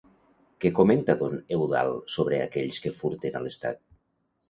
Què comenta don Eudald sobre aquells que furten a l'Estat?